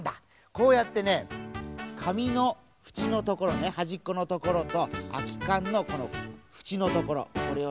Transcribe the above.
こうやってねかみのふちのところねはじっこのところとあきかんのこのふちのところこれをね